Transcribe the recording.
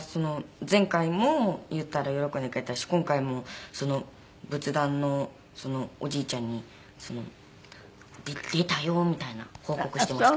前回も言ったら喜んでくれたし今回も仏壇のおじいちゃんに「出たよ」みたいな報告をしていました。